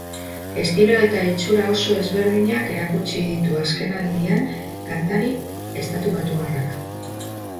Estilo eta itxura oso ezberdinak erakutsi ditu azkenaldian kantari estatubatuarrak.